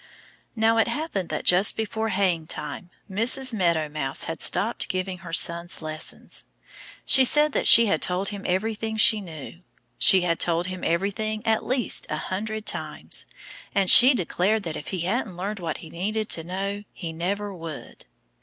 Now, it happened that just before haying time Mrs. Meadow Mouse had stopped giving her son lessons. She said that she had told him everything she knew. She had told him everything at least a hundred times. And she declared that if he hadn't learned what he needed to know, he never would.